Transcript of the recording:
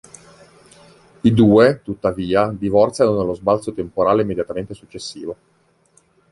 I due, tuttavia, divorziano nello sbalzo temporale immediatamente successivo.